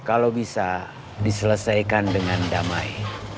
kalau bisa diselesaikan dengan damai